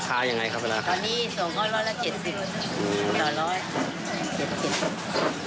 ๗วันอย่างนี้ผลิตวันนี้ได้พันธุ์หนึ่ง